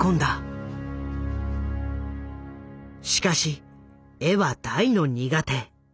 しかし絵は大の苦手。